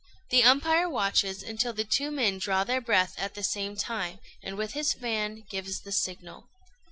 The umpire watches until the two men draw their breath at the same time, and with his fan gives the signal.